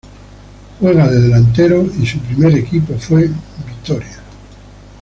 Juega de delantero y su primer equipo fue Vitória.